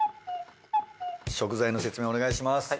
食材の説明お願いします。